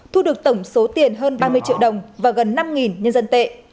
thu được tổng số tiền hơn ba mươi triệu đồng và gần năm nhân dân tệ